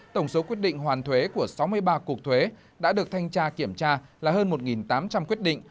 tổng số quyết định hoàn thuế của sáu mươi ba cục thuế đã được thanh tra kiểm tra là hơn một tám trăm linh quyết định